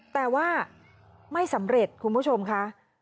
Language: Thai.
แต่ว่าไม่สำเร็จคุณผู้ชมค่ะ